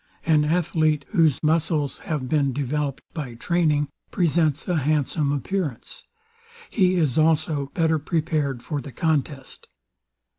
An athlete whose muscles have been developed by training presents a handsome appearance; he is also better prepared for the contest.